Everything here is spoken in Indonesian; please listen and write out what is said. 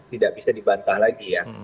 tidak bisa dibantah lagi ya